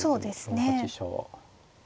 ４八飛車は。